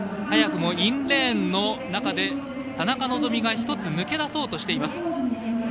早くもインレーンの中で田中希実が１つ抜け出そうとしています。